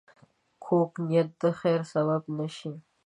کوږ نیت د خیر سبب نه شي